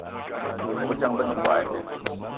Bobejang, be ne mboigi imen.